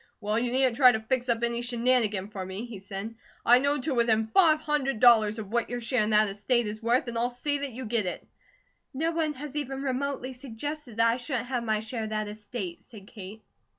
"Well, you needn't try to fix up any shenanigan for me," he said. "I know to within five hundred dollars of what your share of that estate is worth, and I'll see that you get it." "No one has even remotely suggested that I shouldn't have my share of that estate," said Kate.